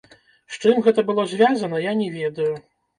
З чым гэта было звязана, я не ведаю.